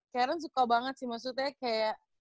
karen suka banget sih maksudnya kayak